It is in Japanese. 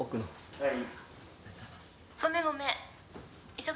はい。